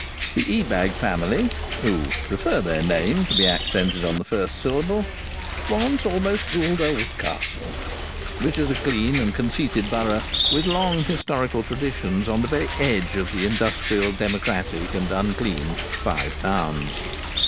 The Ebag family, who prefer their name to be accented on the first syllable, once almost ruled Oldcastle, which is a clean and conceited borough, with long historical traditions, on the very edge of the industrial, democratic and unclean Five Towns.